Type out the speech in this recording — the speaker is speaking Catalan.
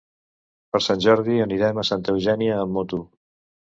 Per Sant Jordi anirem a Santa Eugènia amb moto.